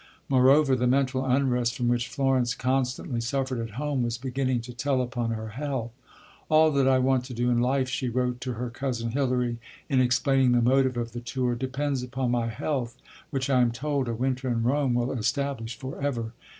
Moreover the mental unrest from which Florence constantly suffered at home was beginning to tell upon her health. "All that I want to do in life," she wrote to her cousin Hilary, in explaining the motive of the tour, "depends upon my health, which, I am told, a winter in Rome will establish for ever."